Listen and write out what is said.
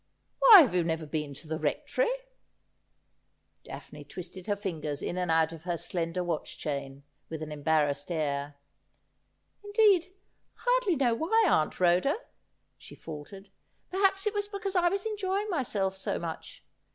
' Why have you never been to the Rectory ?' Daphne twisted tier fingers in and out of her slender watch chain with an embarrassed air. ' Indeed, I hardly know why, Aunt Rhoda,' she faltered ;' per haps it was because I was enjoying myself so much.